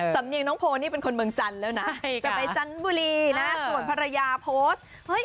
สำเมียงน้องโฟนี่เป็นคนเมืองจันตร์แล้วเนาะจะไปจันบุรีก่อนภรรยาโพสครับ